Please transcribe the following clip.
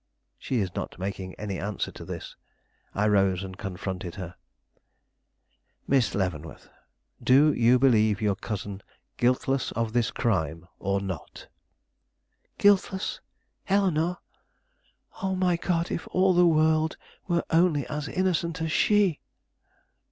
She not making any answer to this, I rose and confronted her. "Miss Leavenworth, do you believe your cousin guiltless of this crime, or not?" "Guiltless? Eleanore? Oh! my God; if all the world were only as innocent as she!"